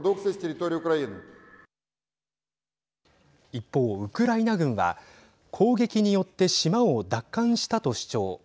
一方、ウクライナ軍は攻撃によって島を奪還したと主張。